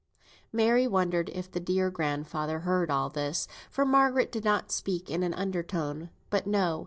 Mary wondered if the dear grandfather heard all this, for Margaret did not speak in an under tone; but no!